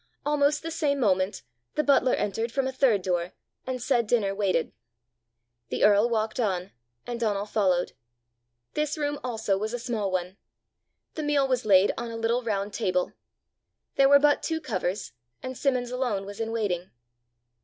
Almost the same moment the butler entered from a third door, and said dinner waited. The earl walked on, and Donal followed. This room also was a small one. The meal was laid on a little round table. There were but two covers, and Simmons alone was in waiting.